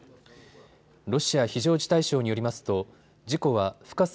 ロシア非常事態省によりますと事故は深さ